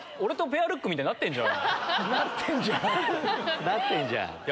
「なってんじゃん」。